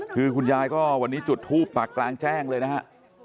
คือคุณยายก็วันนี้จุดทูปปากกลางแจ้งเลยนะฮะ